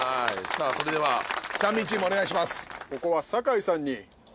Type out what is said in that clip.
さあそれではチャンビンチームお願いします。